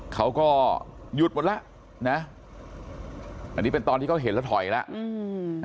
เขาก็หยุดหมดแล้วนะอันนี้เป็นตอนที่เขาเห็นแล้วถอยแล้วอืม